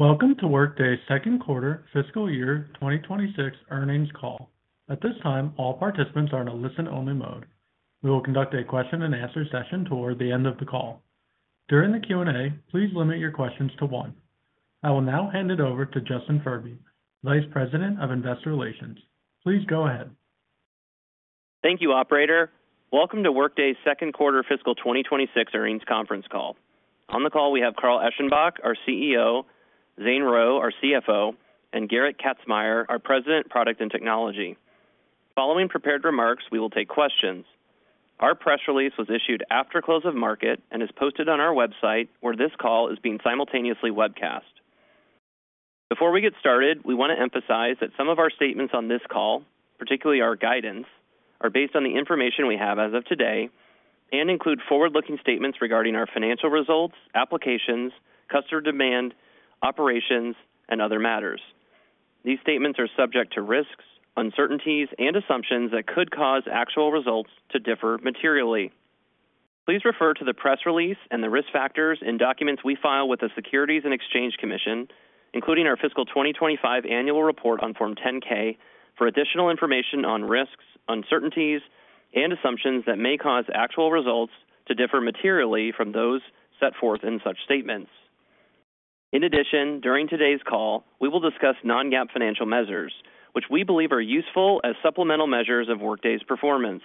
Welcome to Workday's Second Quarter Fiscal Year 2026 Earnings Call. At this time, all participants are in a listen-only mode. We will conduct a question-and-answer session toward the end of the call. During the Q&A, please limit your questions to one. I will now hand it over to Justin Furby, Vice President of Investor Relations. Please go ahead. Thank you, Operator. Welcome to Workday's Second Quarter Fiscal 2026 Earnings Conference Call. On the call, we have Carl Eschenbach, our CEO, Zane Rowe, our CFO, and Gerrit Kazmaier, our President of Product and Technology. Following prepared remarks, we will take questions. Our press release was issued after close of market and is posted on our website, where this call is being simultaneously webcast. Before we get started, we want to emphasize that some of our statements on this call, particularly our guidance, are based on the information we have as of today and include forward-looking statements regarding our financial results, applications, customer demand, operations, and other matters. These statements are subject to risks, uncertainties, and assumptions that could cause actual results to differ materially. Please refer to the press release and the risk factors in documents we file with the Securities and Exchange Commission, including our fiscal 2025 annual report on Form 10-K, for additional information on risks, uncertainties, and assumptions that may cause actual results to differ materially from those set forth in such statements. In addition, during today's call, we will discuss non-GAAP financial measures, which we believe are useful as supplemental measures of Workday's performance.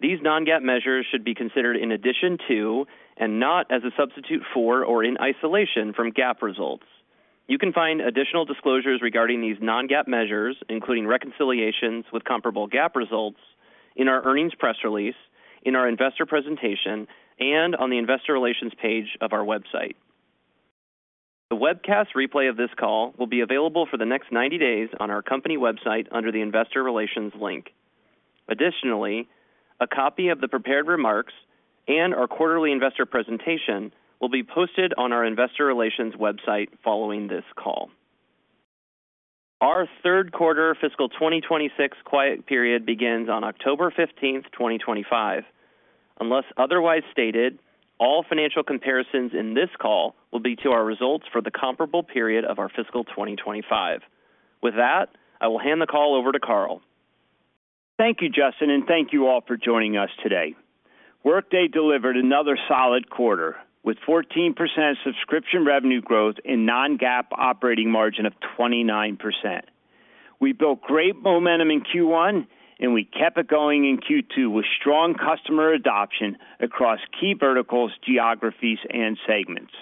These non-GAAP measures should be considered in addition to, and not as a substitute for, or in isolation from GAAP results. You can find additional disclosures regarding these non-GAAP measures, including reconciliations with comparable GAAP results, in our earnings press release, in our investor presentation, and on the Investor Relations page of our website. The webcast replay of this call will be available for the next 90 days on our company website under the Investor Relations link. Additionally, a copy of the prepared remarks and our quarterly investor presentation will be posted on our Investor Relations website following this call. Our third quarter fiscal 2026 quiet period begins on October 15, 2025. Unless otherwise stated, all financial comparisons in this call will be to our results for the comparable period of our fiscal 2025. With that, I will hand the call over to Carl. Thank you, Justin, and thank you all for joining us today. Workday delivered another solid quarter with 14% subscription revenue growth and a non-GAAP operating margin of 29%. We built great momentum in Q1, and we kept it going in Q2 with strong customer adoption across key verticals, geographies, and segments.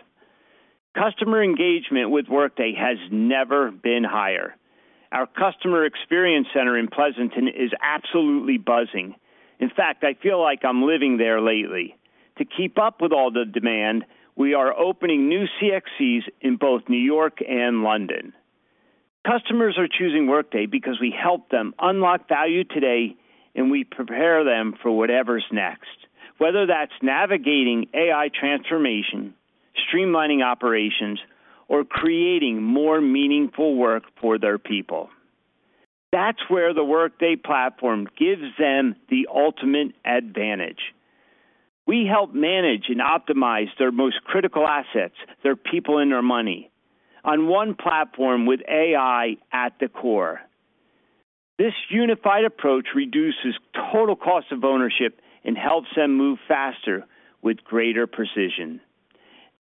Customer engagement with Workday has never been higher. Our Customer Experience Center in Pleasanton is absolutely buzzing. In fact, I feel like I'm living there lately. To keep up with all the demand, we are opening new CXCs in both New York and London. Customers are choosing Workday because we help them unlock value today, and we prepare them for whatever's next, whether that's navigating AI transformation, streamlining operations, or creating more meaningful work for their people. That's where the Workday platform gives them the ultimate advantage. We help manage and optimize their most critical assets, their people, and their money on one platform with AI at the core. This unified approach reduces total cost of ownership and helps them move faster with greater precision.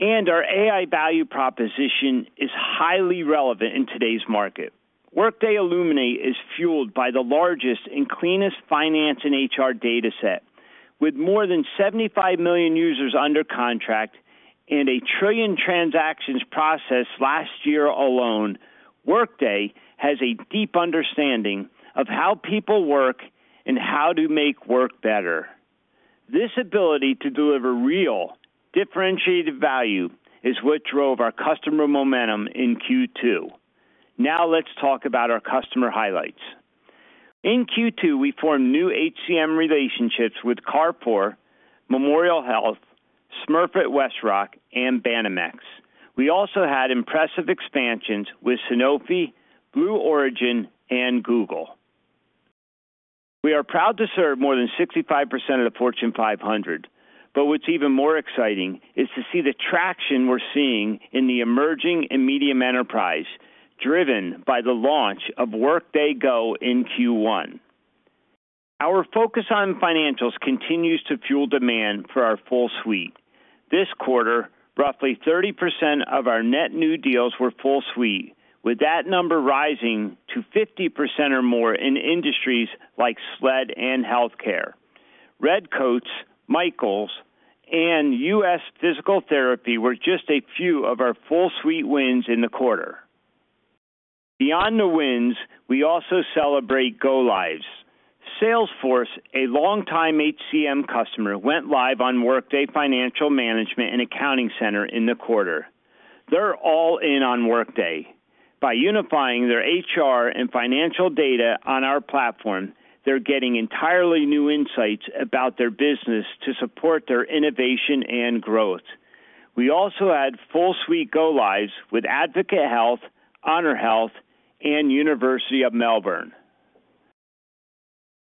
Our AI value proposition is highly relevant in today's market. Workday Illuminate is fueled by the largest and cleanest finance and HR dataset. With more than 75 million users under contract and a trillion transactions processed last year alone, Workday has a deep understanding of how people work and how to make work better. This ability to deliver real, differentiated value is what drove our customer momentum in Q2. Now let's talk about our customer highlights. In Q2, we formed new HCM relationships with Carrefour, Memorial Health, Smurfit-WestRock, and Banamex. We also had impressive expansions with Sanofi, Blue Origin, and Google. We are proud to serve more than 65% of the Fortune 500, but what's even more exciting is to see the traction we're seeing in the emerging and medium enterprise, driven by the launch of WorkdayGo in Q1. Our focus on financials continues to fuel demand for our full suite. This quarter, roughly 30% of our net new deals were full suite, with that number rising to 50% or more in industries like sled and healthcare. Red Coats, Michaels, and US Physical Therapy were just a few of our full suite wins in the quarter. Beyond the wins, we also celebrate Go lives. Salesforce, a longtime HCM customer, went live on Workday Financial Management and Accounting Center in the quarter. They're all in on Workday. By unifying their HR and financial data on our platform, they're getting entirely new insights about their business to support their innovation and growth. We also had full suite go-lives with Advocate Health, Honor Health, and University of Melbourne.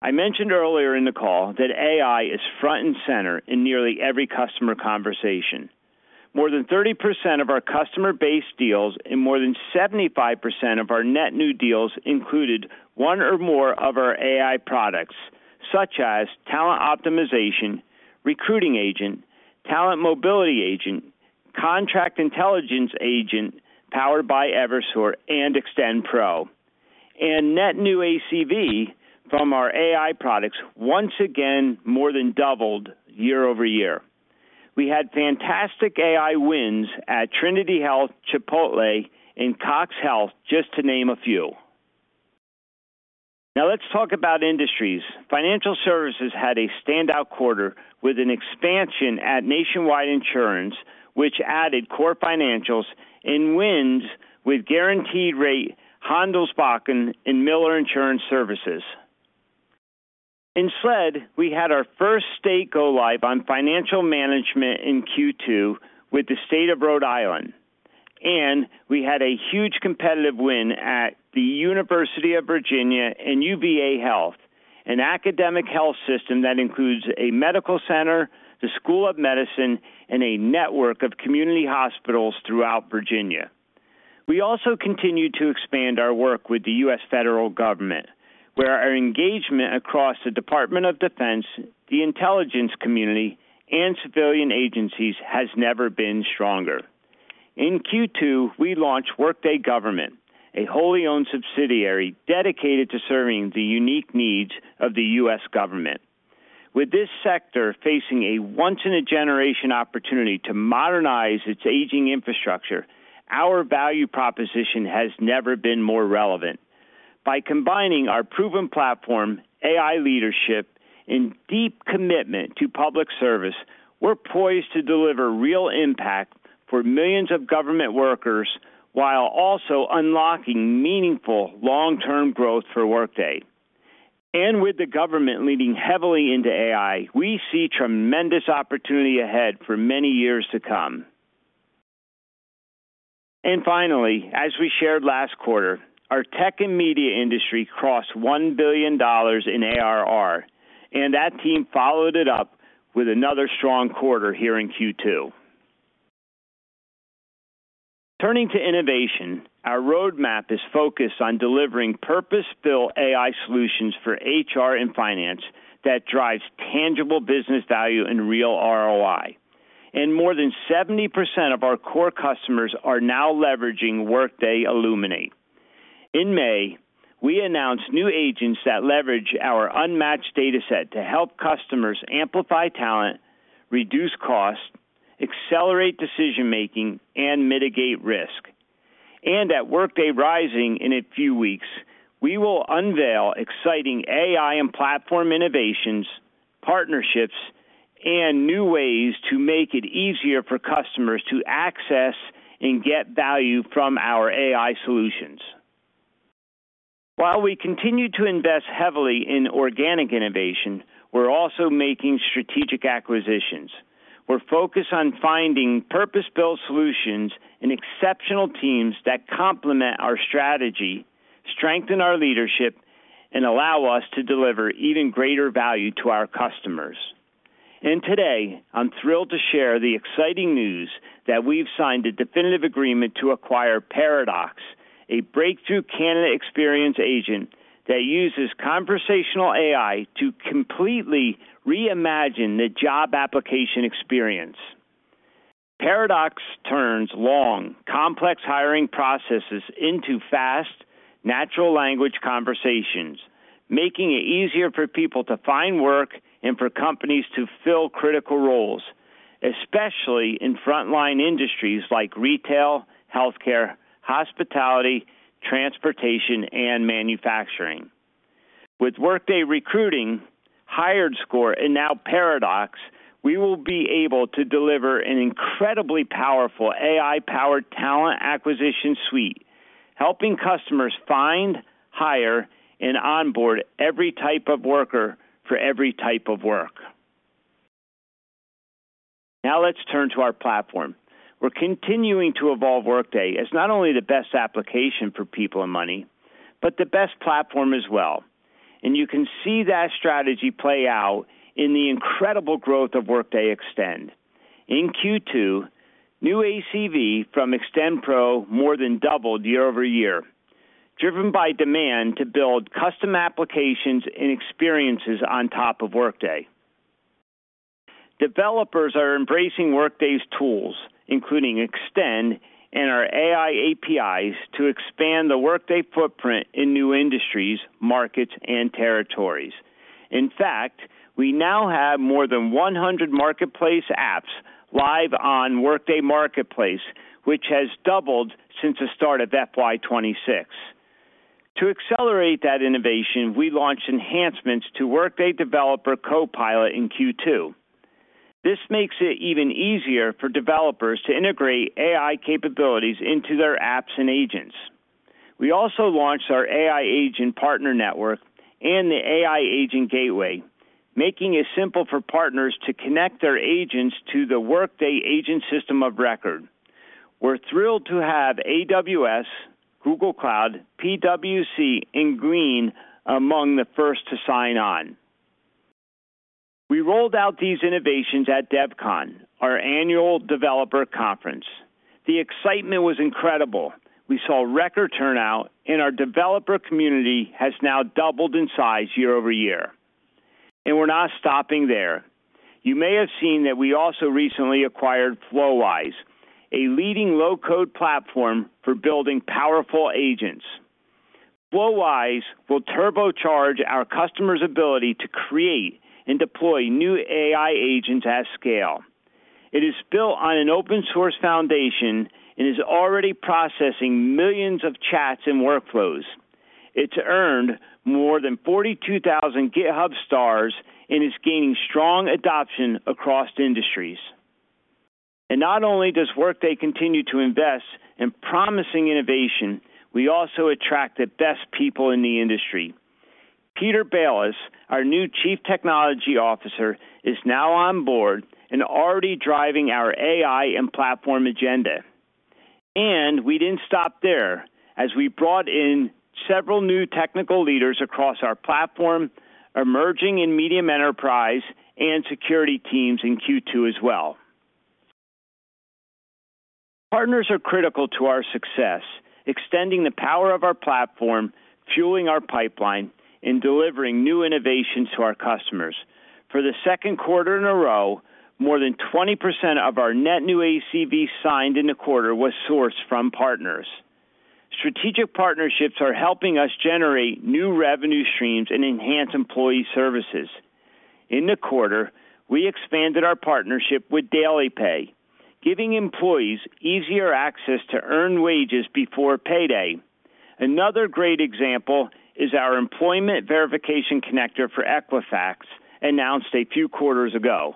I mentioned earlier in the call that AI is front and center in nearly every customer conversation. More than 30% of our customer base deals and more than 75% of our net new deals included one or more of our AI products, such as Talent Optimization, Recruiting Agent, Talent Mobility Agent, Contract Intelligence Agent powered by Evisort and Extend Pro, and net-new ACV from our AI products once again more than doubled year-over-year. We had fantastic AI wins at Trinity Health, Chipotle, and Cox Health, just to name a few. Now let's talk about industries. Financial services had a standout quarter with an expansion at Nationwide Insurance, which added core financials and wins with Guaranteed Rate, Handelsbanken, and Miller Insurance Services. In SLED, we had our first state go-live on financial management in Q2 with the state of Rhode Island. We had a huge competitive win at the University of Virginia and UVA Health, an academic health system that includes a medical center, the School of Medicine, and a network of community hospitals throughout Virginia. We also continue to expand our work with the U.S. federal government, where our engagement across the Department of Defense, the intelligence community, and civilian agencies has never been stronger. In Q2, we launched Workday Government, a wholly owned subsidiary dedicated to serving the unique needs of the U.S. government. With this sector facing a once-in-a-generation opportunity to modernize its aging infrastructure, our value proposition has never been more relevant. By combining our proven platform, AI leadership, and deep commitment to public service, we're poised to deliver real impact for millions of government workers while also unlocking meaningful long-term growth for Workday. With the government leaning heavily into AI, we see tremendous opportunity ahead for many years to come. As we shared last quarter, our Tech and Media industry crossed $1 billion in ARR, and that team followed it up with another strong quarter here in Q2. Turning to innovation, our roadmap is focused on delivering purpose-built AI solutions for HR and finance that drive tangible business value and real ROI. More than 70% of our core customers are now leveraging Workday Illuminate. In May, we announced new agents that leverage our unmatched dataset to help customers amplify talent, reduce cost, accelerate decision-making, and mitigate risk. At Workday Rising in a few weeks, we will unveil exciting AI and platform innovations, partnerships, and new ways to make it easier for customers to access and get value from our AI solutions. While we continue to invest heavily in organic innovation, we are also making strategic acquisitions. We are focused on finding purpose-built solutions and exceptional teams that complement our strategy, strengthen our leadership, and allow us to deliver even greater value to our customers. Today, I'm thrilled to share the exciting news that we've signed a definitive agreement to acquire Paradox, a breakthrough candidate experience agent that uses conversational AI to completely reimagine the job application experience. Paradox turns long, complex hiring processes into fast, natural language conversations, making it easier for people to find work and for companies to fill critical roles, especially in frontline industries like retail, healthcare, hospitality, transportation, and manufacturing. With Workday Recruiting, HiredScore, and now Paradox, we will be able to deliver an incredibly powerful AI-powered talent acquisition suite, helping customers find, hire, and onboard every type of worker for every type of work. Now let's turn to our platform. We are continuing to evolve Workday as not only the best application for people and money, but the best platform as well. You can see that strategy play out in the incredible growth of Workday Extend. In Q2, new ACV from Extend Pro more than doubled year-over-year, driven by demand to build custom applications and experiences on top of Workday. Developers are embracing Workday's tools, including Extend and our AI APIs, to expand the Workday footprint in new industries, markets, and territories. In fact, we now have more than 100 marketplace apps live on Workday Marketplace, which has doubled since the start of FY 2026. To accelerate that innovation, we launched enhancements to Workday Developer Copilot in Q2. This makes it even easier for developers to integrate AI capabilities into their apps and agents. We also launched our AI Agent Partner Network and the AI Agent Gateway, making it simple for partners to connect their agents to the Workday Agent System of Record. We're thrilled to have AWS, Google Cloud, PwC, and Glean among the first to sign on. We rolled out these innovations at DevCon, our annual developer conference. The excitement was incredible. We saw record turnout, and our developer community has now doubled in size year-over- year. We're not stopping there. You may have seen that we also recently acquired Flowise, a leading low-code platform for building powerful agents. Flowise will turbocharge our customers' ability to create and deploy new AI agents at scale. It is built on an open-source foundation and is already processing millions of chats and workflows. It's earned more than 42,000 GitHub stars and is gaining strong adoption across industries. Not only does Workday continue to invest in promising innovation, we also attract the best people in the industry. Peter Balis, our new Chief Technology Officer, is now on board and already driving our AI and platform agenda. We didn't stop there, as we brought in several new technical leaders across our platform, emerging and medium enterprise, and security teams in Q2 as well. Partners are critical to our success, extending the power of our platform, fueling our pipeline, and delivering new innovations to our customers. For the second quarter in a row, more than 20% of our net new ACV signed in the quarter was sourced from partners. Strategic partnerships are helping us generate new revenue streams and enhance employee services. In the quarter, we expanded our partnership with DailyPay, giving employees easier access to earned wages before payday. Another great example is our employment verification connector for Equifax Workforce Solutions announced a few quarters ago.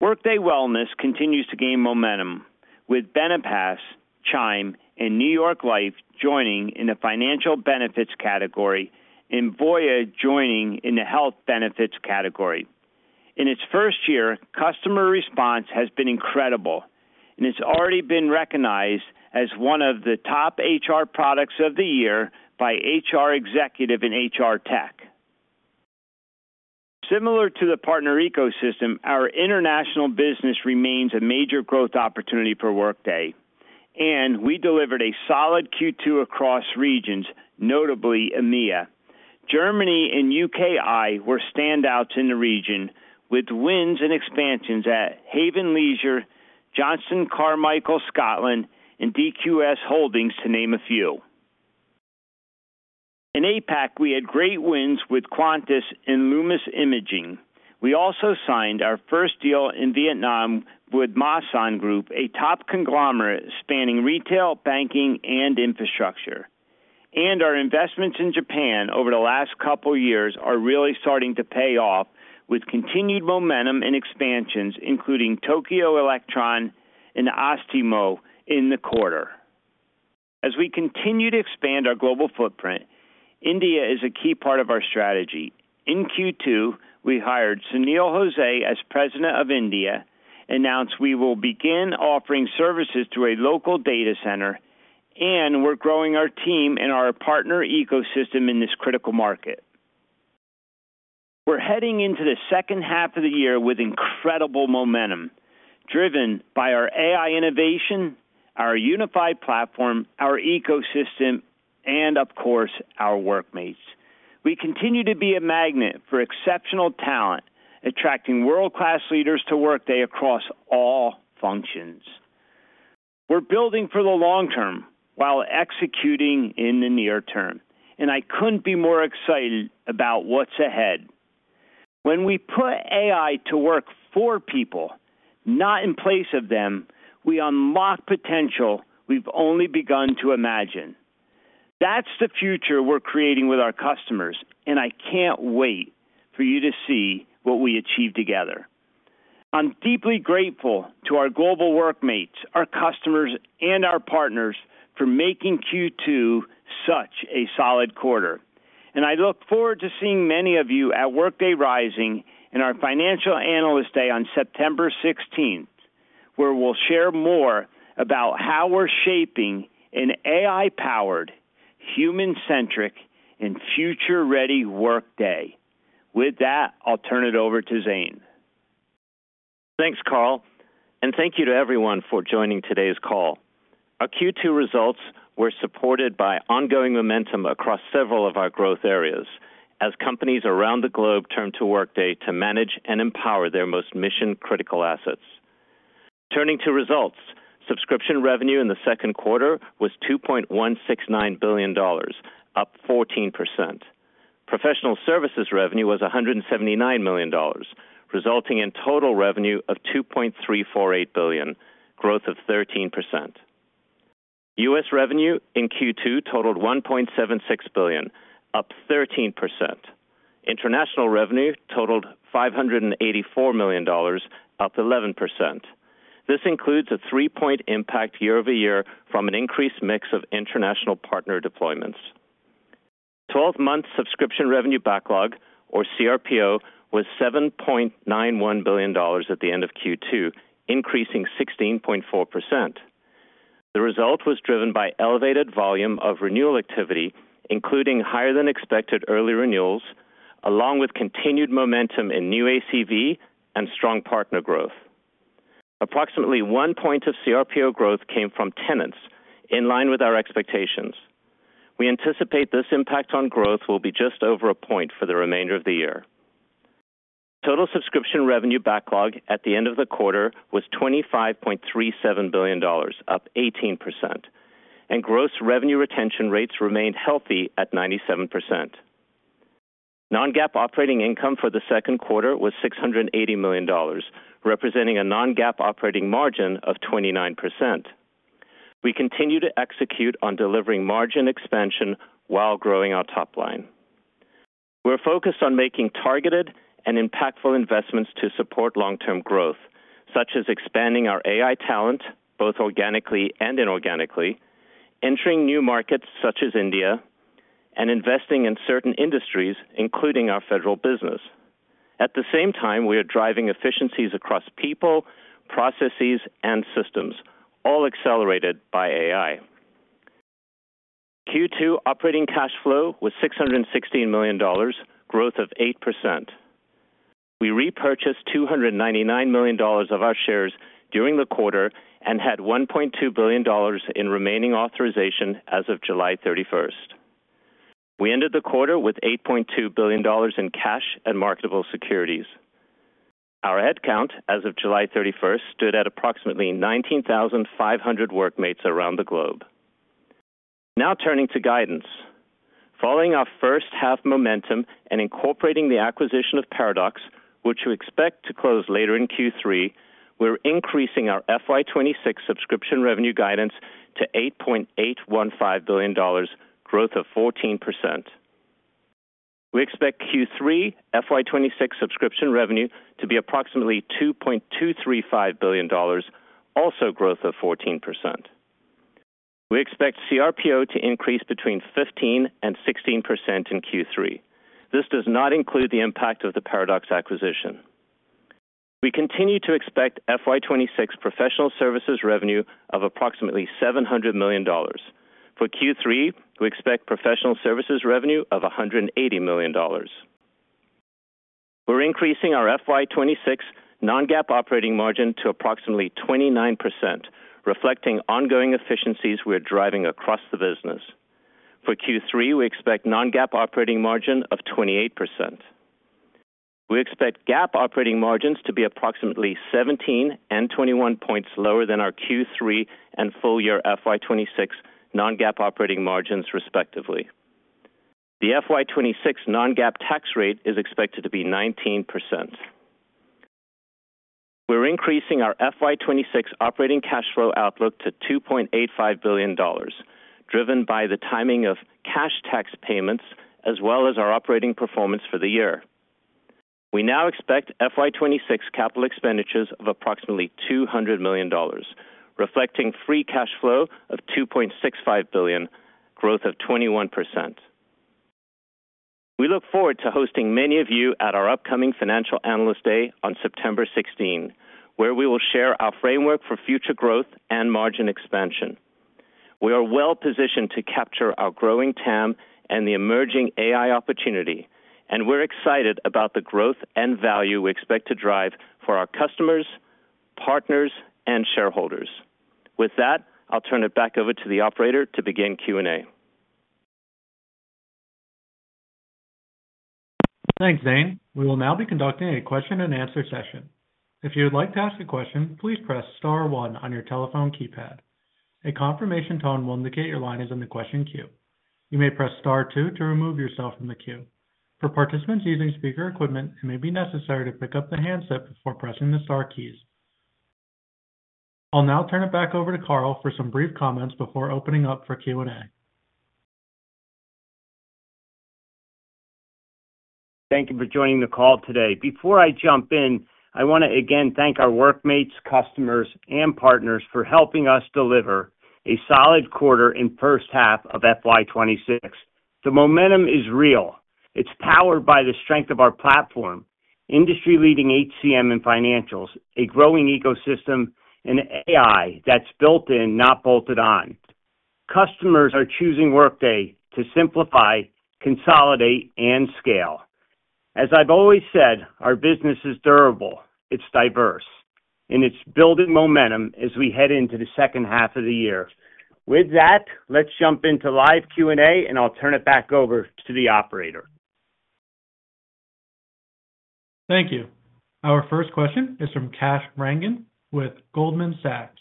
Workday Wellness continues to gain momentum with Benepass, Chime, and New York Life joining in the financial benefits category, and Voya joining in the health benefits category. In its first year, customer response has been incredible, and it's already been recognized as one of the top HR products of the year by HR Executive and HR Tech. Similar to the partner ecosystem, our international business remains a major growth opportunity for Workday. We delivered a solid Q2 across regions, notably EMEA. Germany and UKI were standouts in the region, with wins and expansions at Haven Leisure, Johnston Carmichael Scotland, and DQS Holdings, to name a few. In APAC, we had great wins with Qantas and Lumas Imaging. We also signed our first deal in Vietnam with Masan Group, a top conglomerate spanning retail, banking, and infrastructure. Our investments in Japan over the last couple of years are really starting to pay off, with continued momentum and expansions, including Tokyo Electron and Astemoin the quarter. As we continue to expand our global footprint, India is a key part of our strategy. In Q2, we hired Sunil Jose as President of India, announced we will begin offering services to a local data center, and we're growing our team and our partner ecosystem in this critical market. We're heading into the second half of the year with incredible momentum, driven by our AI innovation, our unified platform, our ecosystem, and of course, our workmates. We continue to be a magnet for exceptional talent, attracting world-class leaders to Workday across all functions. We're building for the long term while executing in the near term, and I couldn't be more excited about what's ahead. When we put AI to work for people, not in place of them, we unlock potential we've only begun to imagine. That's the future we're creating with our customers, and I can't wait for you to see what we achieve together. I'm deeply grateful to our global workmates, our customers, and our partners for making Q2 such a solid quarter. I look forward to seeing many of you at Workday Rising and our Financial Analyst Day on September 16th, where we'll share more about how we're shaping an AI-powered, human-centric, and future-ready Workday. With that, I'll turn it over to Zane. Thanks, Carl, and thank you to everyone for joining today's call. Our Q2 results were supported by ongoing momentum across several of our growth areas as companies around the globe turned to Workday to manage and empower their most mission-critical assets. Turning to results, subscription revenue in the second quarter was $2.169 billion, up 14%. Professional services revenue was $179 million, resulting in total revenue of $2.348 billion, growth of 13%. U.S. revenue in Q2 totaled $1.76 billion, up 13%. International revenue totaled $584 million, up 11%. This includes a three-point impact year-over-year from an increased mix of international partner deployments. 12-month subscription revenue backlog, or cRPO, was $7.91 billion at the end of Q2, increasing 16.4%. The result was driven by elevated volume of renewal activity, including higher-than-expected early renewals, along with continued momentum in new ACV and strong partner growth. Approximately one point of cRPO growth came from tenants, in line with our expectations. We anticipate this impact on growth will be just over a point for the remainder of the year. Total subscription revenue backlog at the end of the quarter was $25.37 billion, up 18%. Gross revenue retention rates remained healthy at 97%. Non-GAAP operating income for the second quarter was $680 million, representing a non-GAAP operating margin of 29%. We continue to execute on delivering margin expansion while growing our top line. We're focused on making targeted and impactful investments to support long-term growth, such as expanding our AI talent, both organically and inorganically, entering new markets such as India, and investing in certain industries, including our federal business. At the same time, we are driving efficiencies across people, processes, and systems, all accelerated by AI. Q2 operating cash flow was $616 million, growth of 8%. We repurchased $299 million of our shares during the quarter and had $1.2 billion in remaining authorization as of July 31. We ended the quarter with $8.2 billion in cash and marketable securities. Our headcount as of July 31 stood at approximately 19,500 workmates around the globe. Now turning to guidance. Following our first half momentum and incorporating the acquisition of Paradox, which we expect to close later in Q3, we're increasing our FY 2026 subscription revenue guidance to $8.815 billion, growth of 14%. We expect Q3 FY 2026 subscription revenue to be approximately $2.235 billion, also growth of 14%. We expect CcRPO to increase between 15% and 16% in Q3. This does not include the impact of the Paradox acquisition. We continue to expect FY 2026 professional services revenue of approximately $700 million. For Q3, we expect professional services revenue of $180 million. We're increasing our FY 2026 non-GAAP operating margin to approximately 29%, reflecting ongoing efficiencies we're driving across the business. For Q3, we expect non-GAAP operating margin of 28%. We expect GAAP operating margins to be approximately 17% and 21 points lower than our Q3 and full-year FY 2026 non-GAAP operating margins, respectively. The FY 2026 non-GAAP tax rate is expected to be 19%. We're increasing our FY 2026 operating cash flow outlook to $2.85 billion, driven by the timing of cash tax payments, as well as our operating performance for the year. We now expect FY 2026 capital expenditures of approximately $200 million, reflecting free cash flow of $2.65 billion, growth of 21%. We look forward to hosting many of you at our upcoming Financial Analyst Day on September 16, where we will share our framework for future growth and margin expansion. We are well positioned to capture our growing TAM and the emerging AI opportunity, and we're excited about the growth and value we expect to drive for our customers, partners, and shareholders. With that, I'll turn it back over to the Operator to begin Q&A. Thanks, Zane. We will now be conducting a question-and-answer session. If you would like to ask a question, please press star one on your telephone keypad. A confirmation tone will indicate your line is in the question queue. You may press star two to remove yourself from the queue. For participants using speaker equipment, it may be necessary to pick up the handset before pressing the star keys. I'll now turn it back over to Carl for some brief comments before opening up for Q&A. Thank you for joining the call today. Before I jump in, I want to again thank our workmates, customers, and partners for helping us deliver a solid quarter in the first half of FY 2026. The momentum is real. It's powered by the strength of our platform, industry-leading HCM and financials, a growing ecosystem, and AI that's built in, not bolted on. Customers are choosing Workday to simplify, consolidate, and scale. As I've always said, our business is durable. It's diverse. It's building momentum as we head into the second half of the year. With that, let's jump into live Q&A, and I'll turn it back over to the Operator. Thank you. Our first question is from Kash Rangan with Goldman Sachs.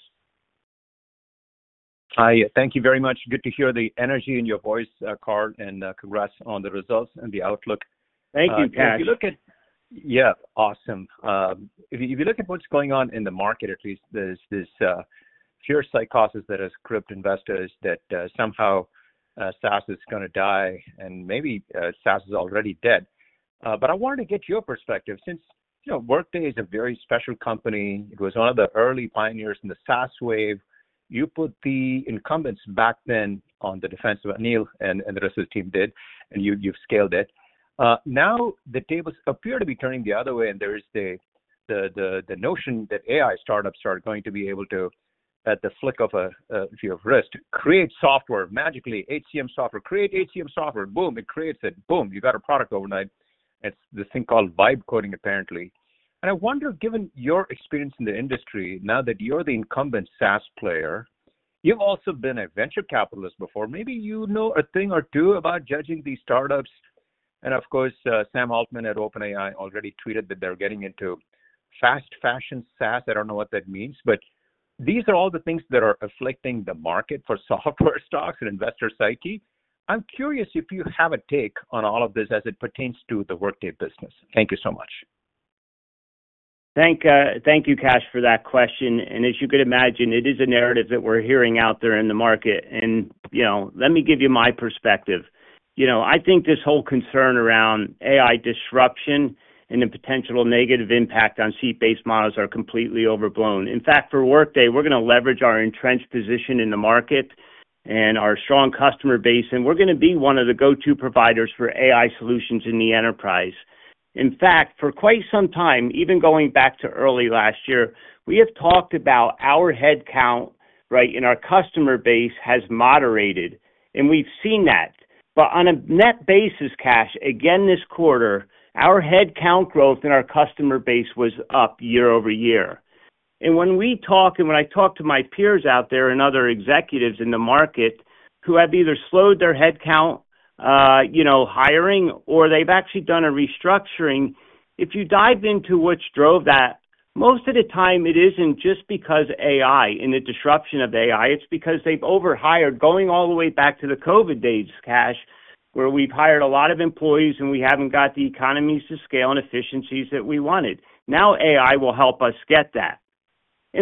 Hi. Thank you very much. Good to hear the energy in your voice, Carl, and congrats on the results and the outlook. Thank you, Kash. Yeah, awesome. If you look at what's going on in the market, at least there's this sheer psychosis that has gripped investors that somehow SaaS is going to die, and maybe SaaS is already dead. I wanted to get your perspective since, you know, Workday is a very special company. It was one of the early pioneers in the SaaS wave. You put the incumbents back then on the defensive. Aneel and the rest of the team did, and you've scaled it. Now the tables appear to be turning the other way, and there is the notion that AI startups are going to be able to, at the flick of a wrist, create software magically, HCM software, create HCM software. Boom, it creates it. Boom, you got a product overnight. It's this thing called vibe coding, apparently. I wonder, given your experience in the industry, now that you're the incumbent SaaS player, you've also been a venture capitalist before. Maybe you know a thing or two about judging these startups. Of course, Sam Altman at OpenAI already tweeted that they're getting into fast-fashion SaaS. I don't know what that means, but these are all the things that are afflicting the market for software stocks and investor psyche. I'm curious if you have a take on all of this as it pertains to the Workday business. Thank you so much. Thank you, Kash, for that question. As you could imagine, it is a narrative that we're hearing out there in the market. Let me give you my perspective. I think this whole concern around AI disruption and the potential negative impact on seat-based models are completely overblown. In fact, for Workday, we're going to leverage our entrenched position in the market and our strong customer base, and we're going to be one of the go-to providers for AI solutions in the enterprise. In fact, for quite some time, even going back to early last year, we have talked about our headcount, right, in our customer base has moderated, and we've seen that. On a net basis, Kash, again this quarter, our headcount growth in our customer base was up year- over-year. When I talk to my peers out there and other executives in the market who have either slowed their headcount, you know, hiring, or they've actually done a restructuring, if you dive into what drove that, most of the time it isn't just because AI and the disruption of AI, it's because they've overhired, going all the way back to the COVID days, Kash, where we've hired a lot of employees and we haven't got the economies to scale and efficiencies that we wanted. Now AI will help us get that.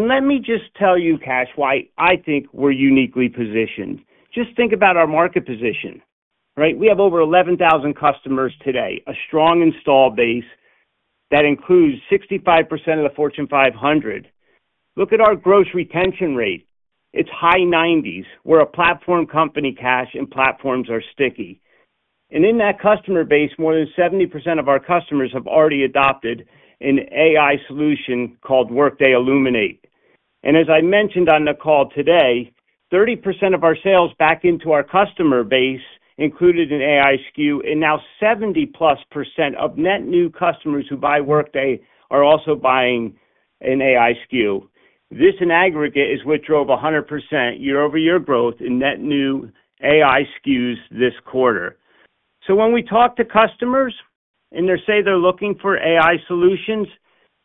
Let me just tell you, Kash, why I think we're uniquely positioned. Just think about our market position, right? We have over 11,000 customers today, a strong install base that includes 65% of the Fortune 500. Look at our gross retention rate. It's high 90s. We're a platform company, Kash, and platforms are sticky. In that customer base, more than 70% of our customers have already adopted an AI solution called Workday Illuminate. As I mentioned on the call today, 30% of our sales back into our customer base included an AI SKU, and now 70%+ of net new customers who buy Workday are also buying an AI SKU. This in aggregate is what drove 100% year-over-year growth in net new AI SKUs this quarter. When we talk to customers and they say they're looking for AI solutions,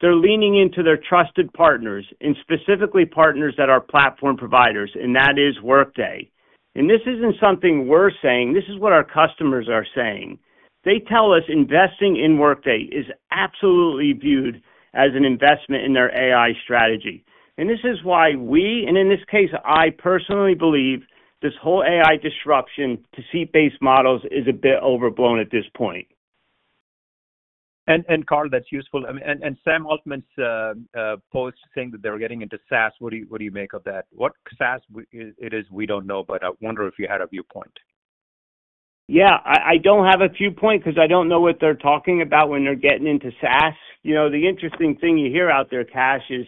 they're leaning into their trusted partners, and specifically partners that are platform providers, and that is Workday. This isn't something we're saying. This is what our customers are saying. They tell us investing in Workday is absolutely viewed as an investment in their AI strategy. This is why we, and in this case, I personally believe this whole AI disruption to seat-based models is a bit overblown at this point. Carl, that's useful. Sam Altman's post saying that they're getting into SaaS, what do you make of that? What SaaS it is, we don't know, but I wonder if you had a viewpoint. Yeah, I don't have a viewpoint because I don't know what they're talking about when they're getting into SaaS. The interesting thing you hear out there, Kash, is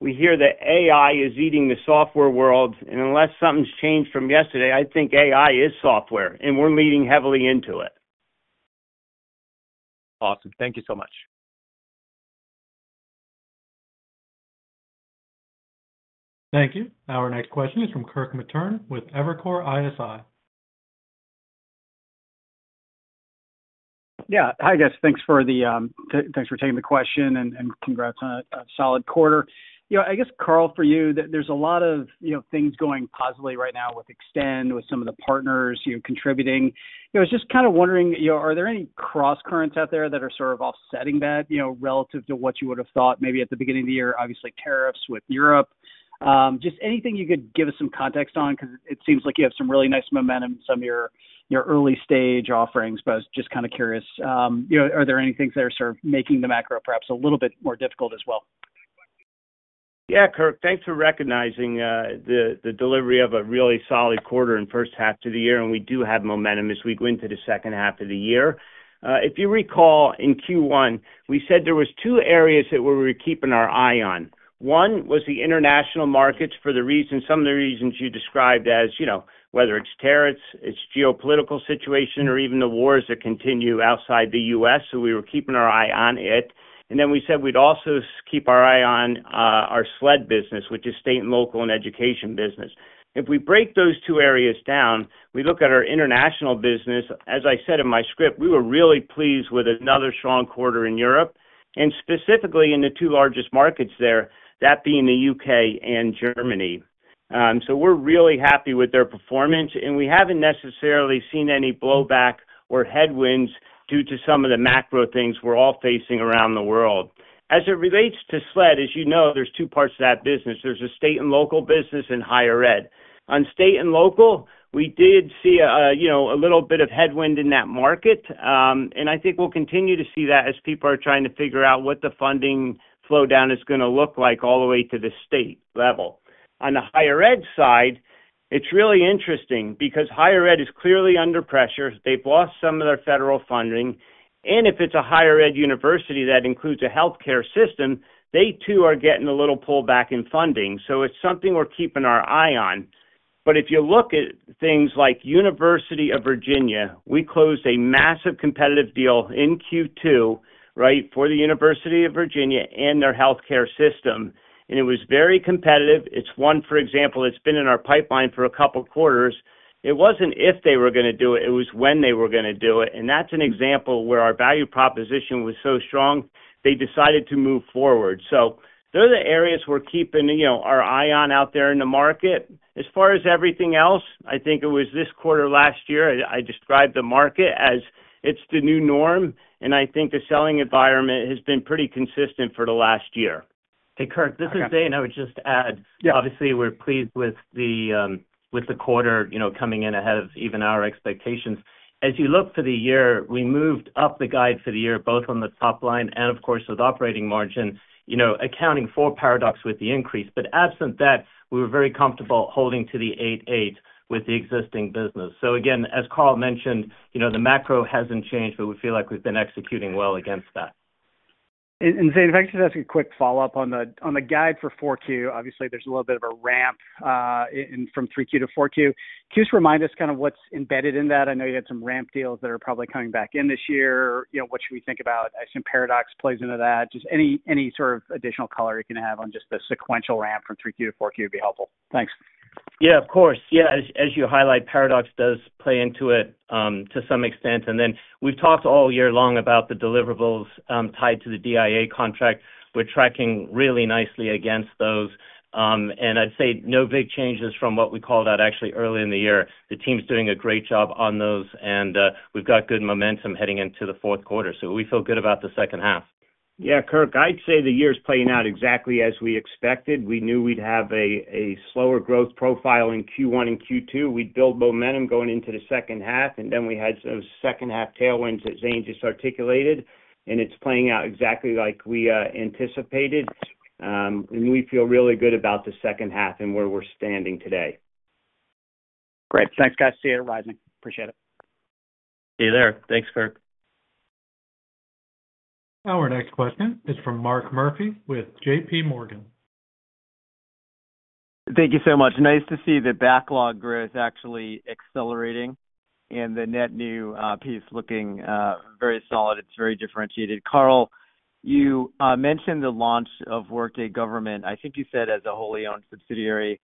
we hear that AI is eating the software world, and unless something's changed from yesterday, I think AI is software, and we're leaning heavily into it. Awesome. Thank you so much. Thank you. Our next question is from Kirk Materne with Evercore ISI. Hi, guys. Thanks for the, thanks for taking the question and congrats on a solid quarter. I guess, Carl, for you, there's a lot of things going positively right now with Extend, with some of the partners contributing. I was just kind of wondering, are there any cross-currents out there that are sort of offsetting that, relative to what you would have thought maybe at the beginning of the year? Obviously, tariffs with Europe. Anything you could give us some context on because it seems like you have some really nice momentum in some of your early-stage offerings, but I was just kind of curious, are there any things that are sort of making the macro perhaps a little bit more difficult as well? Yeah, Kirk, thanks for recognizing the delivery of a really solid quarter in the first half of the year, and we do have momentum as we go into the second half of the year. If you recall, in Q1, we said there were two areas that we were keeping our eye on. One was the international markets for the reason, some of the reasons you described as, you know, whether it's tariffs, it's geopolitical situation, or even the wars that continue outside the U.S. We were keeping our eye on it. We also said we'd keep our eye on our SLED business, which is state and local and education business. If we break those two areas down, we look at our international business. As I said in my script, we were really pleased with another strong quarter in Europe, and specifically in the two largest markets there, that being the U.K. and Germany. We're really happy with their performance, and we haven't necessarily seen any blowback or headwinds due to some of the macro things we're all facing around the world. As it relates to SLED, as you know, there's two parts of that business. There's a state and local business and higher ed. On state and local, we did see a little bit of headwind in that market, and I think we'll continue to see that as people are trying to figure out what the funding flow down is going to look like all the way to the state level. On the higher ed side, it's really interesting because higher ed is clearly under pressure. They've lost some of their federal funding, and if it's a higher ed university that includes a healthcare system, they too are getting a little pullback in funding. It's something we're keeping our eye on. If you look at things like University of Virginia, we closed a massive competitive deal in Q2, right, for the University of Virginia and their healthcare system, and it was very competitive. It's one, for example, it's been in our pipeline for a couple of quarters. It wasn't if they were going to do it. It was when they were going to do it. That's an example where our value proposition was so strong, they decided to move forward. They're the areas we're keeping our eye on out there in the market. As far as everything else, I think it was this quarter last year, I described the market as it's the new norm, and I think the selling environment has been pretty consistent for the last year. Hey, Kirk, this is Zane. I would just add, obviously, we're pleased with the quarter, you know, coming in ahead of even our expectations. As you look for the year, we moved up the guide for the year, both on the top line and, of course, with operating margin, you know, accounting for Paradox with the increase. Absent that, we were very comfortable holding to the 8.8% with the existing business. Again, as Carl mentioned, you know, the macro hasn't changed, but we feel like we've been executing well against that. Zane, if I could just ask a quick follow-up on the guide for 4Q, obviously, there's a little bit of a ramp from 3Q to 4Q. Can you just remind us kind of what's embedded in that? I know you had some ramp deals that are probably coming back in this year. What should we think about? I assume Paradox plays into that. Just any sort of additional color you can have on just the sequential ramp from 3Q to 4Q would be helpful. Thanks. Of course. As you highlight, Paradox does play into it to some extent. We've talked all year long about the deliverables tied to the DIA contract. We're tracking really nicely against those. I'd say no big changes from what we called out actually early in the year. The team's doing a great job on those, and we've got good momentum heading into the fourth quarter. We feel good about the second half. Yeah, Kirk, I'd say the year's playing out exactly as we expected. We knew we'd have a slower growth profile in Q1 and Q2. We'd build momentum going into the second half, we had some second half tailwinds that Zane just articulated, and it's playing out exactly like we anticipated. We feel really good about the second half and where we're standing today. Great. Thanks, guys. See you at Rising. Appreciate it. See you there. Thanks, Kirk. Our next question is from Mark Murphy with JP Morgan. Thank you so much. Nice to see the backlog growth actually accelerating and the net new piece looking very solid. It's very differentiated. Carl, you mentioned the launch of Workday Government. I think you said as a wholly owned subsidiary,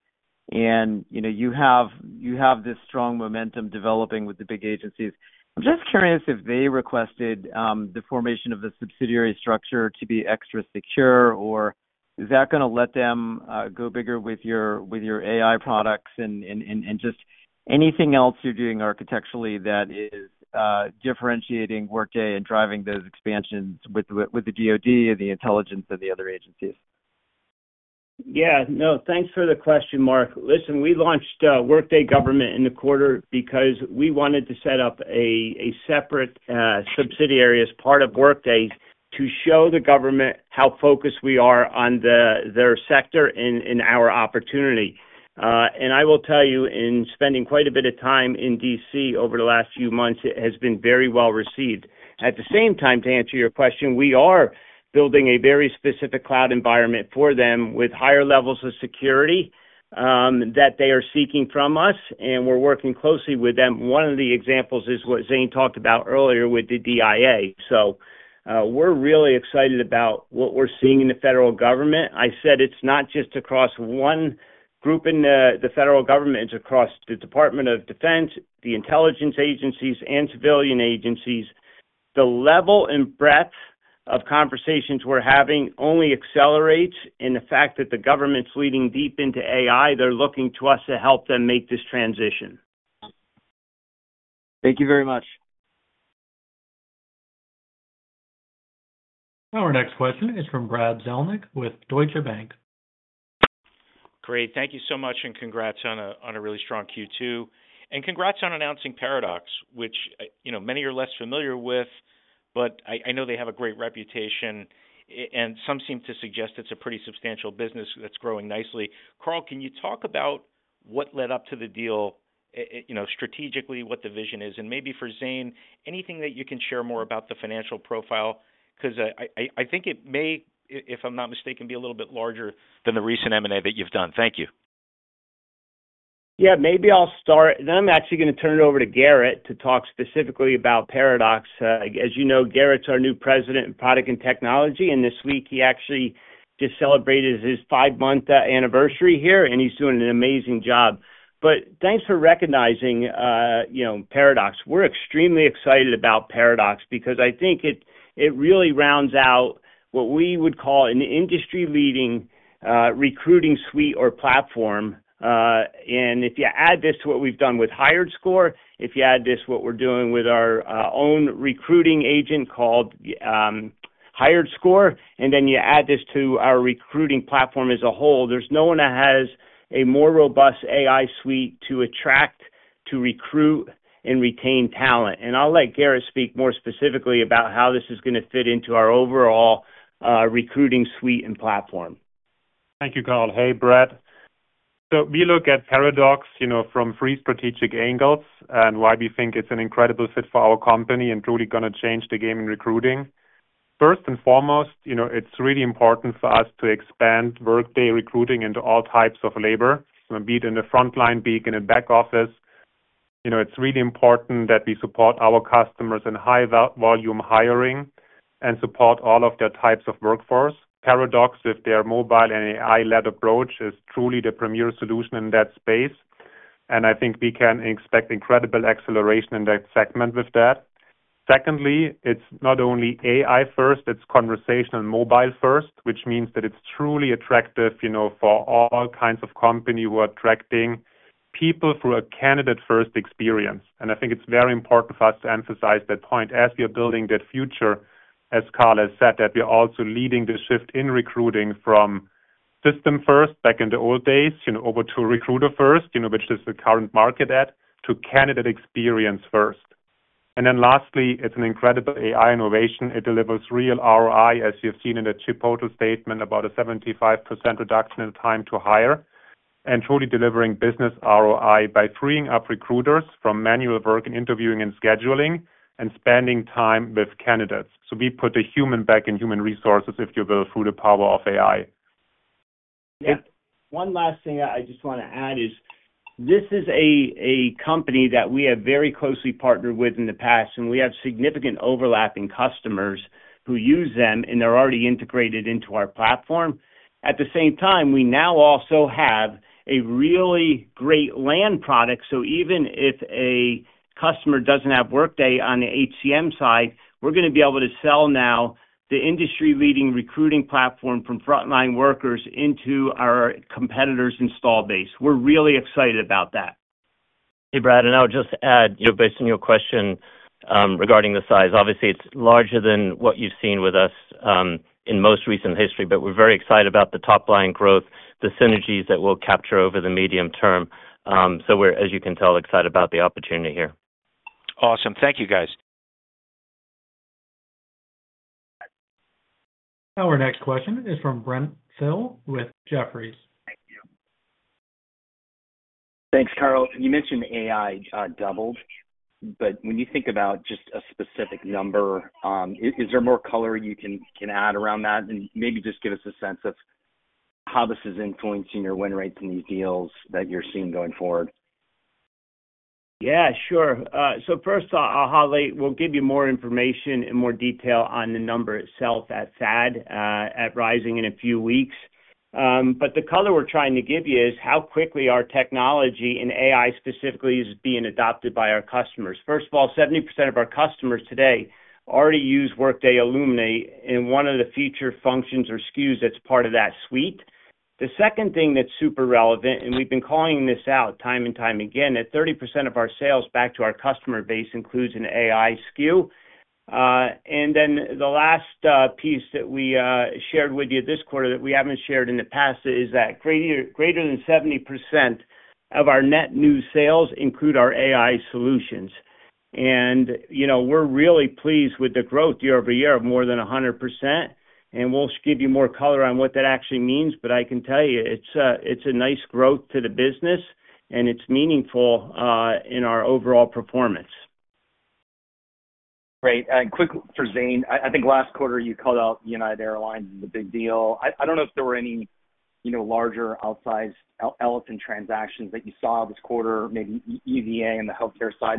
and you know, you have this strong momentum developing with the big agencies. I'm just curious if they requested the formation of the subsidiary structure to be extra secure, or is that going to let them go bigger with your AI products and just anything else you're doing architecturally that is differentiating Workday and driving those expansions with the DoD and the intelligence and the other agencies? Yeah, no, thanks for the question, Mark. Listen, we launched Workday Government in the quarter because we wanted to set up a separate subsidiary as part of Workday to show the government how focused we are on their sector and our opportunity. I will tell you, in spending quite a bit of time in D.C. over the last few months, it has been very well received. At the same time, to answer your question, we are building a very specific cloud environment for them with higher levels of security that they are seeking from us, and we're working closely with them. One of the examples is what Zane talked about earlier with the DIA. We're really excited about what we're seeing in the federal government. I said it's not just across one group in the federal government. It's across the Department of Defense, the intelligence agencies, and civilian agencies. The level and breadth of conversations we're having only accelerates in the fact that the government's leaning deep into AI. They're looking to us to help them make this transition. Thank you very much. Our next question is from Brad Zelnick with Deutsche Bank. Great. Thank you so much, and congrats on a really strong Q2. Congrats on announcing Paradox, which, you know, many are less familiar with, but I know they have a great reputation, and some seem to suggest it's a pretty substantial business that's growing nicely. Carl, can you talk about what led up to the deal, strategically, what the vision is, and maybe for Zane, anything that you can share more about the financial profile? I think it may, if I'm not mistaken, be a little bit larger than the recent M&A that you've done. Thank you. Yeah, maybe I'll start, and then I'm actually going to turn it over to Gerrit to talk specifically about Paradox. As you know, Gerrit's our new President of Product and Technology, and this week he actually just celebrated his five-month anniversary here, and he's doing an amazing job. Thanks for recognizing, you know, Paradox. We're extremely excited about Paradox because I think it really rounds out what we would call an industry-leading recruiting suite or platform. If you add this to what we've done with HiredScore, if you add this to what we're doing with our own recruiting agent called HiredScore, and then you add this to our recruiting platform as a whole, there's no one that has a more robust AI suite to attract, to recruit, and retain talent. I'll let Gerrit speak more specifically about how this is going to fit into our overall recruiting suite and platform. Thank you, Carl. Hey, Brad. We look at Paradox from three strategic angles and why we think it's an incredible fit for our company and truly going to change the game in recruiting. First and foremost, it's really important for us to expand Workday Recruiting into all types of labor, be it in the front line or in the back office. It's really important that we support our customers in high volume hiring and support all of their types of workforce. Paradox, with their mobile and AI-led approach, is truly the premier solution in that space. I think we can expect incredible acceleration in that segment with that. Secondly, it's not only AI-first, it's conversational and mobile-first, which means that it's truly attractive for all kinds of companies who are attracting people through a candidate-first experience. I think it's very important for us to emphasize that point as we are building that future, as Carl has said, that we are also leading the shift in recruiting from system-first back in the old days over to recruiter-first, which is the current market, to candidate experience-first. Lastly, it's an incredible AI innovation. It delivers real ROI, as you've seen in the chip total statement, about a 75% reduction in time to hire and truly delivering business ROI by freeing up recruiters from manual work and interviewing and scheduling and spending time with candidates. We put the human back in human resources, if you will, through the power of AI. Yeah. One last thing I just want to add is this is a company that we have very closely partnered with in the past, and we have significant overlapping customers who use them, and they're already integrated into our platform. At the same time, we now also have a really great land product. Even if a customer doesn't have Workday on the HCM side, we're going to be able to sell now the industry-leading recruiting platform from frontline workers into our competitors' install base. We're really excited about that. Hey, Brad, I'll just add, you know, based on your question regarding the size, obviously, it's larger than what you've seen with us in most recent history. We're very excited about the top line growth, the synergies that we'll capture over the medium term. As you can tell, we're excited about the opportunity here. Awesome. Thank you, guys. Our next question is from Brent Thill with Jefferies. Thanks, Carl. You mentioned AI doubled, but when you think about just a specific number, is there more color you can add around that? Maybe just give us a sense of how this is influencing your win rates in these deals that you're seeing going forward. Yeah, sure. First off, I'll highlight, we'll give you more information and more detail on the number itself that's added at Rising in a few weeks. The color we're trying to give you is how quickly our technology and AI specifically is being adopted by our customers. First of all, 70% of our customers today already use Workday Illuminate in one of the feature functions or SKUs that's part of that suite. The second thing that's super relevant, and we've been calling this out time and time again, is that 30% of our sales back to our customer base includes an AI SKU. The last piece that we shared with you this quarter that we haven't shared in the past is that greater than 70% of our net new sales include our AI solutions. We're really pleased with the growth year-over-year of more than 100%. We'll give you more color on what that actually means, but I can tell you it's a nice growth to the business, and it's meaningful in our overall performance. Great. Quickly, for Zane, I think last quarter you called out United Airlines and the big deal. I don't know if there were any larger outsized elephant transactions that you saw this quarter, maybe University of Virginia on the healthcare side.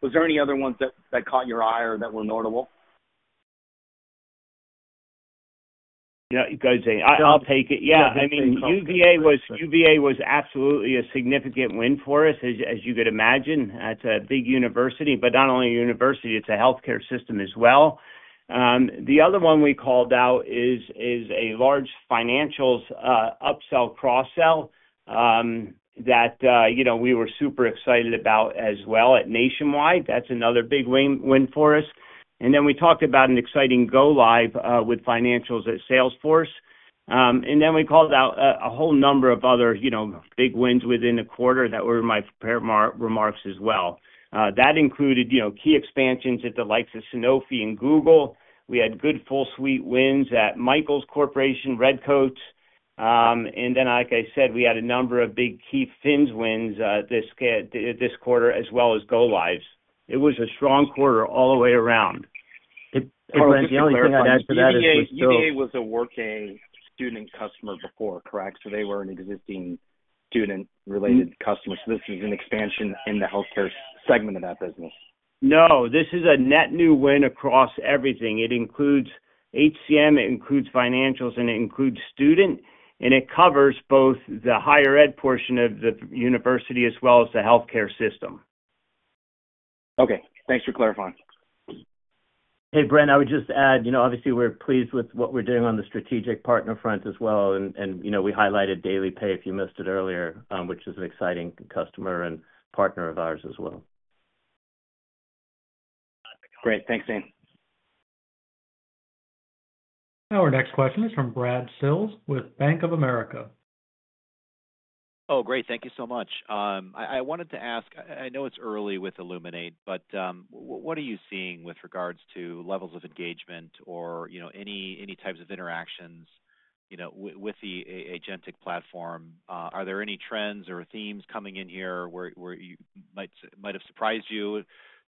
Was there any other ones that caught your eye or that were notable? Yeah, go ahead, Zane. I'll take it. UVA was absolutely a significant win for us, as you could imagine. That's a big university, but not only a university, it's a healthcare system as well. The other one we called out is a large financials upsell cross-sell that we were super excited about as well at Nationwide Insurance. That's another big win for us. We talked about an exciting go-live with financials at Salesforce. We called out a whole number of other big wins within the quarter that were in my remarks as well. That included key expansions at the likes of Sanofi and Google. We had good full-suite wins at Michaels Corporation and Redcoats. Like I said, we had a number of big key financials wins this quarter, as well as go-lives. It was a strong quarter all the way around. The only thing I'd add to that is University of Virginia was a Workday student customer before, correct? They were an existing student-related customer, so this is an expansion in the healthcare segment of that business. No, this is a net new win across everything. It includes HCM, it includes financials, and it includes student, and it covers both the higher ed portion of the university as well as the healthcare system. Okay, thanks for clarifying. Hey, Brent, I would just add, you know, obviously we're pleased with what we're doing on the strategic partner front as well, and we highlighted DailyPay, if you missed it earlier, which is an exciting customer and partner of ours as well. Great, thanks, Zane. Our next question is from Brad Sills with Bank of America. Oh, great, thank you so much. I wanted to ask, I know it's early with Illuminate, but what are you seeing with regards to levels of engagement or, you know, any types of interactions with the agentic platform? Are there any trends or themes coming in here where it might have surprised you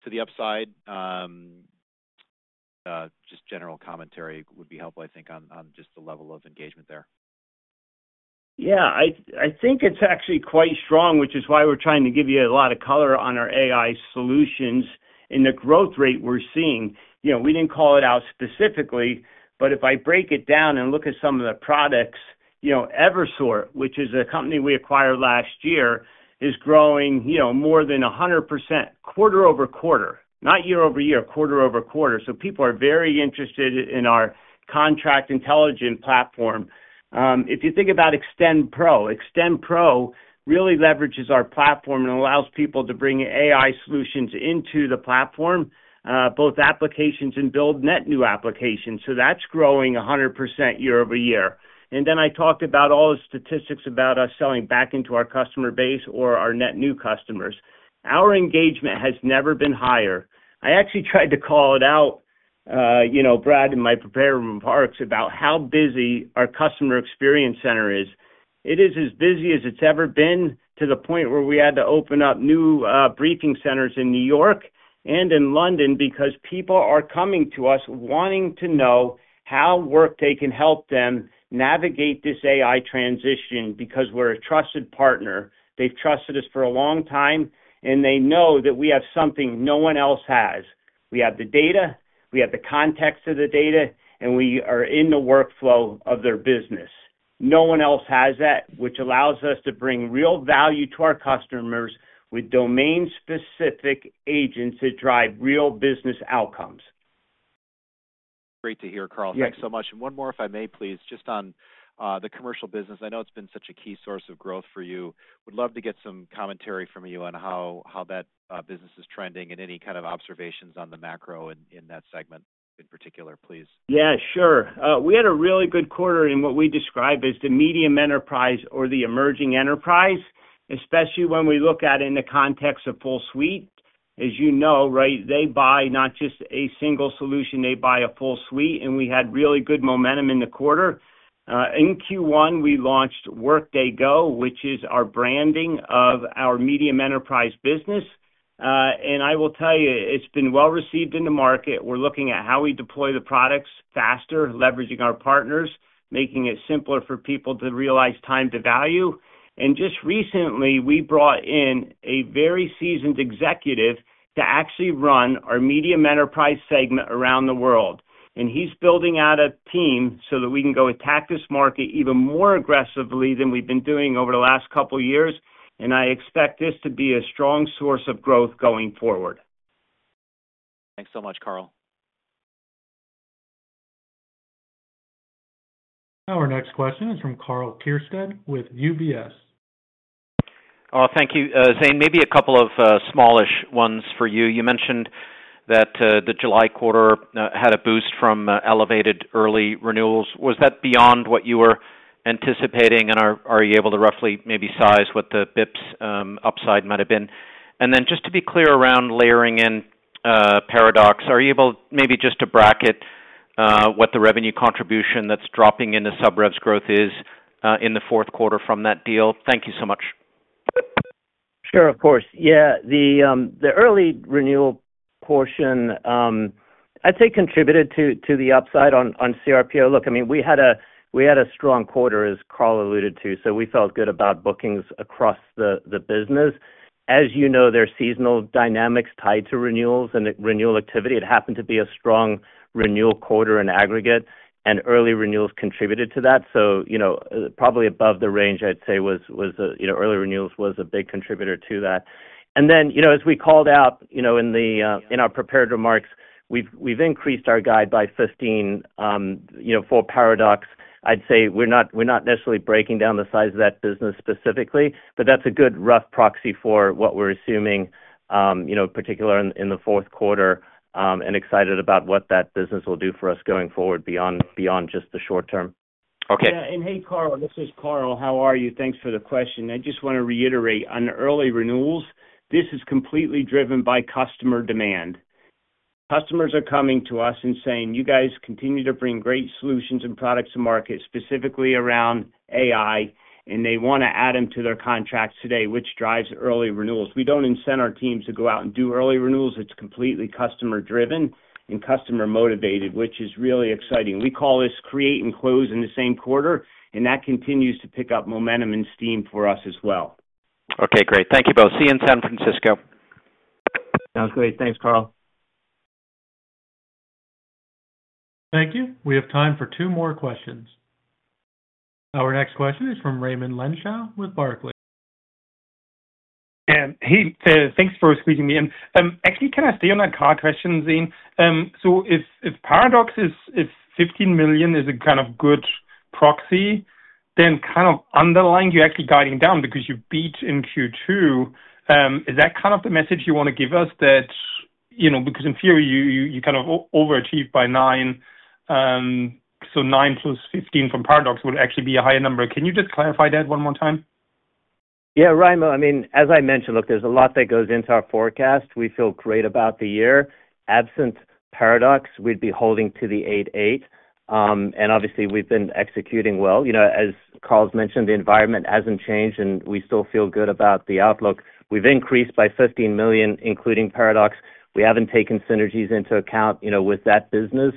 to the upside? Just general commentary would be helpful, I think, on just the level of engagement there. Yeah, I think it's actually quite strong, which is why we're trying to give you a lot of color on our AI solutions and the growth rate we're seeing. We didn't call it out specifically, but if I break it down and look at some of the products, Evisort, which is a company we acquired last year, is growing more than 100% quarter-over quarter, not year over year, quarter-over-quarter. People are very interested in our contract intelligent platform. If you think about Extend Pro, Extend Pro really leverages our platform and allows people to bring AI solutions into the platform, both applications and build net new applications. That's growing 100% year-over-year. I talked about all the statistics about us selling back into our customer base or our net new customers. Our engagement has never been higher. I actually tried to call it out, Brad, in my prepared remarks about how busy our Customer Experience Center is. It is as busy as it's ever been to the point where we had to open up new briefing centers in New York and in London because people are coming to us wanting to know how Workday can help them navigate this AI transition because we're a trusted partner. They've trusted us for a long time, and they know that we have something no one else has. We have the data, we have the context of the data, and we are in the workflow of their business. No one else has that, which allows us to bring real value to our customers with domain-specific agents that drive real business outcomes. Great to hear, Carl. Thanks so much. One more, if I may, please, just on the commercial business. I know it's been such a key source of growth for you. We'd love to get some commentary from you on how that business is trending and any kind of observations on the macro in that segment in particular, please. Yeah, sure. We had a really good quarter in what we describe as the medium enterprise or the emerging enterprise, especially when we look at it in the context of full suite. As you know, right, they buy not just a single solution, they buy a full suite, and we had really good momentum in the quarter. In Q1, we launched WorkdayGo, which is our branding of our medium enterprise business. I will tell you, it's been well received in the market. We're looking at how we deploy the products faster, leveraging our partners, making it simpler for people to realize time to value. Just recently, we brought in a very seasoned executive to actually run our medium enterprise segment around the world. He's building out a team so that we can go attack this market even more aggressively than we've been doing over the last couple of years. I expect this to be a strong source of growth going forward. Thanks so much, Carl. Our next question is from arl Keirstead with UBS. Thank you, Zane. Maybe a couple of smallish ones for you. You mentioned that the July quarter had a boost from elevated early renewals. Was that beyond what you were anticipating, and are you able to roughly maybe size what the bps upside might have been? Just to be clear around layering in Paradox, are you able maybe just to bracket what the revenue contribution that's dropping in the sub-revs growth is in the fourth quarter from that deal? Thank you so much. Sure, of course. The early renewal portion, I'd say, contributed to the upside on cRPO. Look, I mean, we had a strong quarter, as Carl alluded to, so we felt good about bookings across the business. As you know, there are seasonal dynamics tied to renewals and renewal activity. It happened to be a strong renewal quarter in aggregate, and early renewals contributed to that. Probably above the range, I'd say, early renewals was a big contributor to that. As we called out in our prepared remarks, we've increased our guide by $15 million for Paradox. I'd say we're not necessarily breaking down the size of that business specifically, but that's a good rough proxy for what we're assuming, particularly in the fourth quarter, and excited about what that business will do for us going forward beyond just the short term. Yeah, and hey, Karl, this is Carl. How are you? Thanks for the question. I just want to reiterate on early renewals. This is completely driven by customer demand. Customers are coming to us and saying, "You guys continue to bring great solutions and products to market specifically around AI," and they want to add them to their contracts today, which drives early renewals. We do not incent our teams to go out and do early renewals. It is completely customer-driven and customer-motivated, which is really exciting. We call this create and close in the same quarter, and that continues to pick up momentum and steam for us as well. Okay, great. Thank you both. See you in San Francisco. Sounds great. Thanks, Karl. Thank you. We have time for two more questions. Our next question is from Raymond Lenschow with Barclays. Hey, thanks for speaking with me. Actually, can I stay on that car question, Zane? If Paradox is $15 million as a kind of good proxy, then underlying, you actually guiding down because you beat in Q2. Is that the message you want to give us, that, you know, because in theory, you overachieve by nine. Nine plus 15 from Paradox would actually be a higher number. Can you just clarify that one more time? Yeah, right. No, I mean, as I mentioned, look, there's a lot that goes into our forecast. We feel great about the year. Absent Paradox, we'd be holding to the $8.8 million. Obviously, we've been executing well. You know, as Carl's mentioned, the environment hasn't changed, and we still feel good about the outlook. We've increased by $15 million, including Paradox. We haven't taken synergies into account with that business.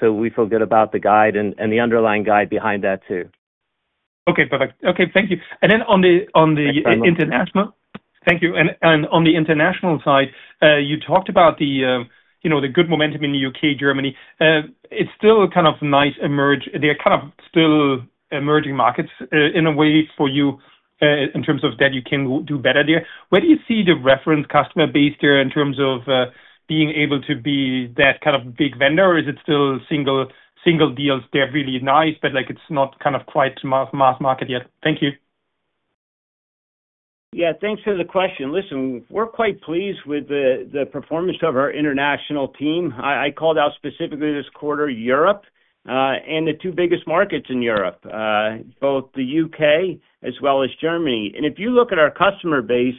We feel good about the guide and the underlying guide behind that too. Okay, perfect. Thank you. On the international side, you talked about the good momentum in the U.K. and Germany. It's still kind of a nice emerge. They're kind of still emerging markets in a way for you in terms of that you can do better there. Where do you see the reference customer base there in terms of being able to be that kind of big vendor, or is it still single deals? They're really nice, but like it's not kind of quite to mass market yet. Thank you. Yeah, thanks for the question. Listen, we're quite pleased with the performance of our international team. I called out specifically this quarter Europe and the two biggest markets in Europe, both the U.K. as well as Germany. If you look at our customer base,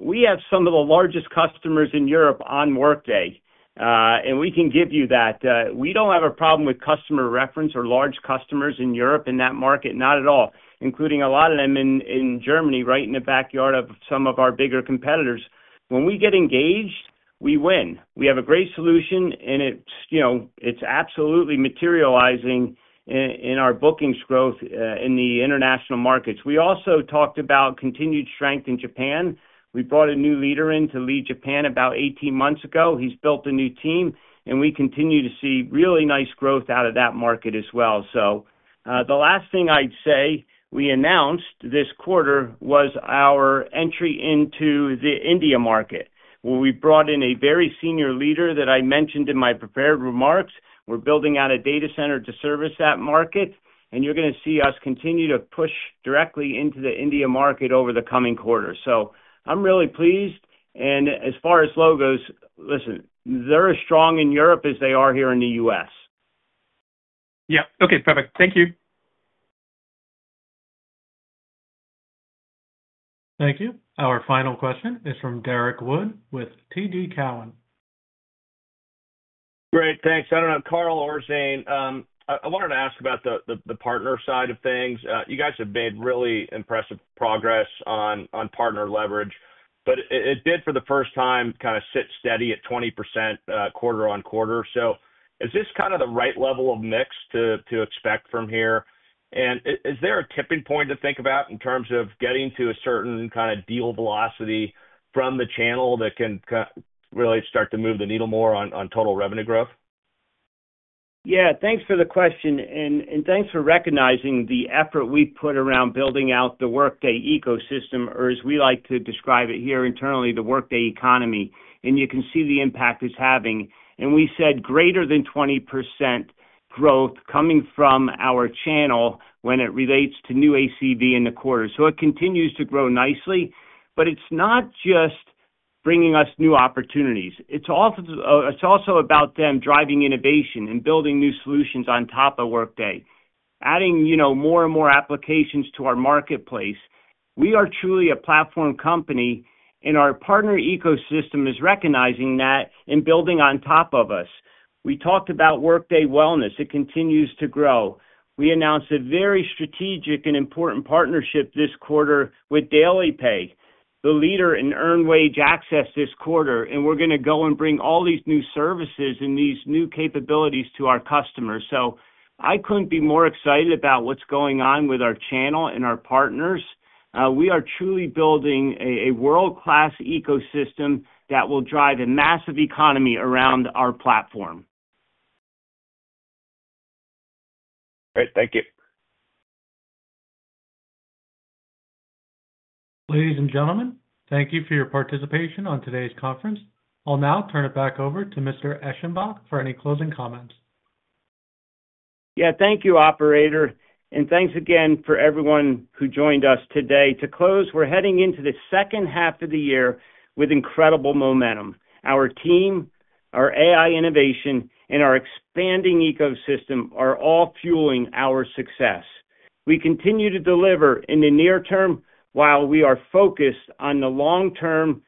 we have some of the largest customers in Europe on Workday, and we can give you that. We don't have a problem with customer reference or large customers in Europe in that market, not at all, including a lot of them in Germany, right in the backyard of some of our bigger competitors. When we get engaged, we win. We have a great solution, and it's absolutely materializing in our bookings growth in the international markets. We also talked about continued strength in Japan. We brought a new leader in to lead Japan about 18 months ago. He's built a new team, and we continue to see really nice growth out of that market as well. The last thing I'd say we announced this quarter was our entry into the India market, where we brought in a very senior leader that I mentioned in my prepared remarks. We're building out a data center to service that market, and you're going to see us continue to push directly into the India market over the coming quarter. I'm really pleased. As far as logos, listen, they're as strong in Europe as they are here in the U.S. Yeah, okay, perfect. Thank you. Thank you. Our final question is from Derrick Wood with TD Cowen. Great, thanks. I don't know, Carl or Zane, I wanted to ask about the partner side of things. You guys have made really impressive progress on partner leverage, but it did for the first time kind of sit steady at 20% quarter-on-quarter. Is this kind of the right level of mix to expect from here? Is there a tipping point to think about in terms of getting to a certain kind of deal velocity from the channel that can really start to move the needle more on total revenue growth? Yeah, thanks for the question, and thanks for recognizing the effort we put around building out the Workday ecosystem, or as we like to describe it here internally, the Workday economy. You can see the impact it's having. We said greater than 20% growth coming from our channel when it relates to new ACV in the quarter. It continues to grow nicely, but it's not just bringing us new opportunities. It's also about them driving innovation and building new solutions on top of Workday, adding more and more applications to our marketplace. We are truly a platform company, and our partner ecosystem is recognizing that and building on top of us. We talked about Workday Wellness. It continues to grow. We announced a very strategic and important partnership this quarter with DailyPay, the leader in earned wage access this quarter, and we're going to go and bring all these new services and these new capabilities to our customers. I couldn't be more excited about what's going on with our channel and our partners. We are truly building a world-class ecosystem that will drive a massive economy around our platform. Great, thank you. Ladies and gentlemen, thank you for your participation on today's conference. I'll now turn it back over to Mr. Eschenbach for any closing comments. Thank you, Operator, and thanks again for everyone who joined us today. To close, we're heading into the second half of the year with incredible momentum. Our team, our AI innovation, and our expanding ecosystem are all fueling our success. We continue to deliver in the near term while we are focused on the long term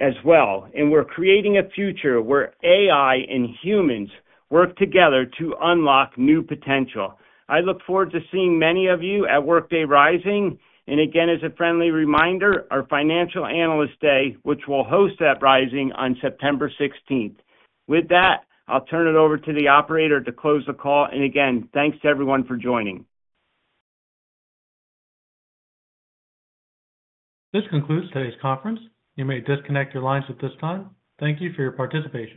as well, and we're creating a future where AI and humans work together to unlock new potential. I look forward to seeing many of you at Workday Rising, and again, as a friendly reminder, our Financial Analyst Day, which we'll host at Rising on September 16. With that, I'll turn it over to the Operator to close the call, and again, thanks to everyone for joining. This concludes today's conference. You may disconnect your lines at this time. Thank you for your participation.